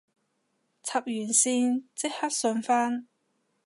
插完線即刻順返